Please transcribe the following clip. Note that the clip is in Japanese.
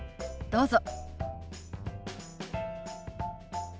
どうぞ。